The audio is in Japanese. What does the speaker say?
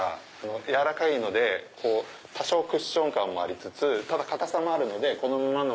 柔らかいので多少クッション感もありつつただ硬さもあるので。